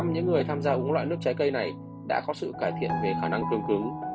bốn mươi những người tham gia uống loại nước trái cây này đã có sự cải thiện về khả năng tương cứng